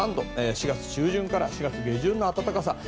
４月中旬から４月下旬の暖かさ。